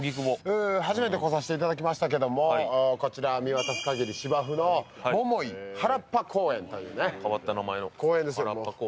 初めてこさせていただきましたけれども、こちら見渡す限り芝生の桃井原っぱ公園という公園です。